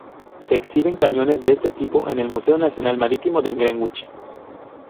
Se exhiben cañones de este tipo en el Museo Nacional Marítimo en Greenwich.